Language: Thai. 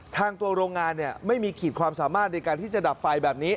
ทางตัวโรงงานไม่มีขีดความสามารถในการที่จะดับไฟแบบนี้